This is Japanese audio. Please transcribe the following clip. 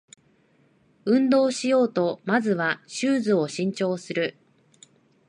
運動しようとまずはシューズを新調する